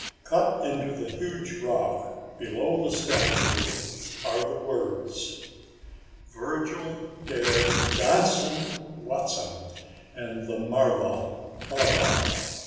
Cut into the huge rock below the statue are the words, "Virgil Dare (Johnny) Watson And the Marva, Baba.